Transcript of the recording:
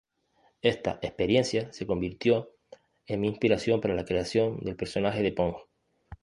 Esta experiencia se convirtió en mi inspiración para la creación del personaje de Pong.